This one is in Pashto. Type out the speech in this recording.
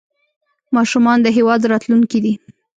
ماشومان د هېواد راتلونکی دی